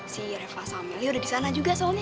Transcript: si reva sarmeli udah disana juga soalnya